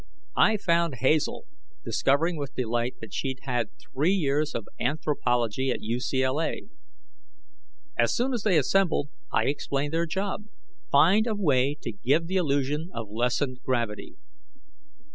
I found Hazel, discovering with delight she'd had three years of anthropology at UCLA. As soon as they assembled, I explained their job: find a way to give the illusion of lessened gravity.